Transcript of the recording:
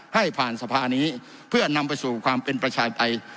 ให้ผ่านสภานี้เพื่อนำไปสู่ความเป็นประชาธิปไตย